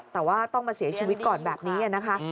แต่ว่าต้องมาเสียชีวิตก่อนแบบนี้นะคะ